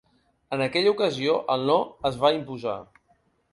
En aquella ocasió, el ‘no’ es va imposar.